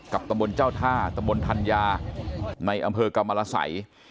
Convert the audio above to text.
ตำบลเจ้าท่าตำบลธัญญาในอำเภอกรรมรสัย